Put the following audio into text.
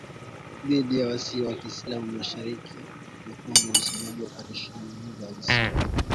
dhidi ya waasi wa kiislamu mashariki mwa Kongo msemaji wa operesheni hiyo alisema